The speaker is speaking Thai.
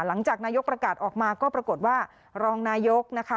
หลังจากนายกประกาศออกมาก็ปรากฏว่ารองนายกนะคะ